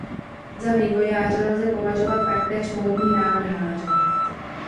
Za vývojáře lze považovat taktéž módní návrháře.